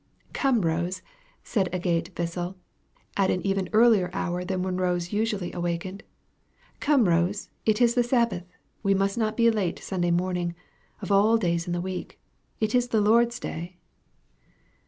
"Come, Rose!" said Agate Bissell, at an even earlier hour than when Rose usually awakened "Come, Rose, it is the Sabbath. We must not be late Sunday morning, of all days in the week. It is the Lord's day."